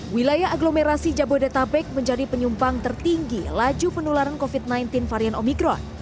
wilayah aglomerasi jabodetabek menjadi penyumbang tertinggi laju penularan covid sembilan belas varian omikron